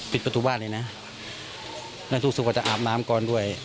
ปิดประตูบ้านเลยนะแล้วรู้สึกว่าจะอาบน้ำก่อนด้วย